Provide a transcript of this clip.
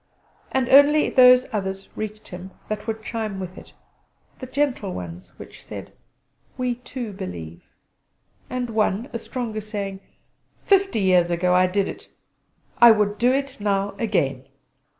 And only those others reached him that would chime with it; the gentle ones which said: "We too believe," and one, a stronger, saying: "Fifty years ago I did it. I would do it now again!"